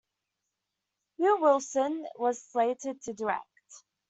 Hugh Wilson was slated to direct.